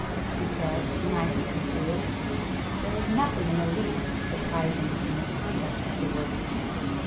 he said, when I had concluded. "There is nothing in the least surprising in the conduct of the worthy man.